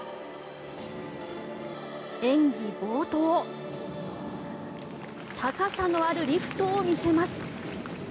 演技冒頭高さのあるリフトを見せます。